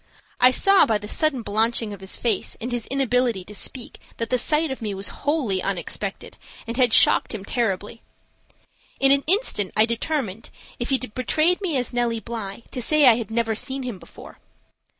I saw by the sudden blanching of his face and his inability to speak that the sight of me was wholly unexpected and had shocked him terribly. In an instant I determined, if he betrayed me as Nellie Bly, to say I had never seen him before.